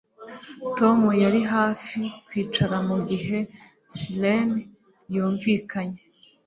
Tom yari hafi kwicara mugihe siren yumvikanye